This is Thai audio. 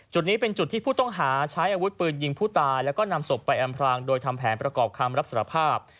จุดนี้เป็นจุดที่ผู้ต้องหาใช้อาวุธปืนยิงผู้ตายแล้วก็นำศพไปอำพรางโดยทำแผนประกอบคำรับสารภาพ